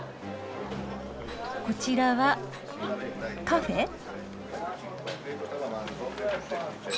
こちらはカフェ？